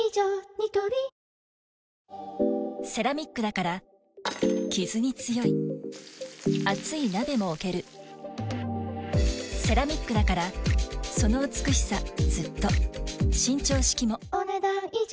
ニトリセラミックだからキズに強い熱い鍋も置けるセラミックだからその美しさずっと伸長式もお、ねだん以上。